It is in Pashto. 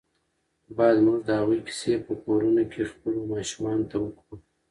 باید موږ د هغوی کیسې په کورونو کې خپلو ماشومانو ته وکړو.